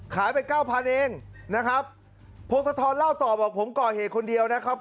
ขายไป๙๐๐๐เองนะครับพวกสะท้อนเล่าต่อบอกผมก่อเหตุคนเดียวนะครับ